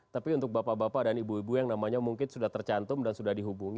tapi untuk bapak bapak dan ibu ibu yang namanya mungkin sudah tercantum dan sudah dihubungi